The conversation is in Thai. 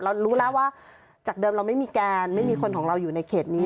เรารู้แล้วว่าจากเดิมเราไม่มีแกนไม่มีคนของเราอยู่ในเขตนี้